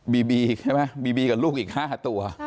บีบีใช่ไหมบีบีกับลูกอีก๕ตัว